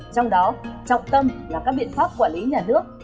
trong đó trọng tâm là các biện pháp quản lý nhà nước